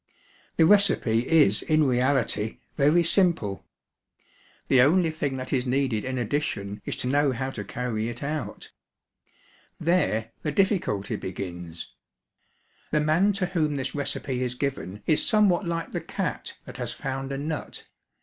The recipe is in reality very simple. The only thing that is needed in addition is to know how to carry it out. There the difficulty begins. The man to whom this recipe is given is somewhat like the cat that has found a nut.